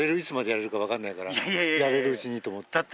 やれるうちにと思って。